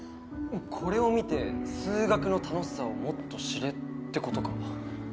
これを見て数学の楽しさをもっと知れってことか？